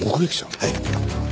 はい。